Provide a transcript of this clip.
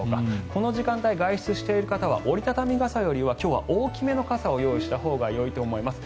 この時間帯、外出している方は折り畳み傘よりは今日は大きめの傘を用意したほうがいいと思います。